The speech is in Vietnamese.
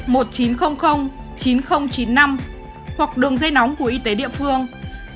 một nghìn chín trăm linh chín nghìn chín mươi năm hoặc đường dây nóng của y tế địa phương để được tư vấn hỗ trợ hướng dẫn đi khám bệnh để đảm bảo an toàn